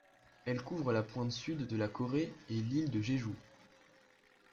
Elle couvre la pointe sud de la Corée et l'ile de Jeju.